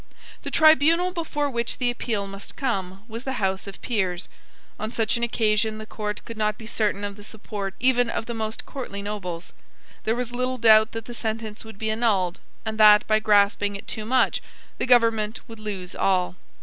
The tribunal before which the appeal must come was the House of Peers. On such an occasion the court could not be certain of the support even of the most courtly nobles. There was little doubt that the sentence would be annulled, and that, by grasping at too much, the government would lose all.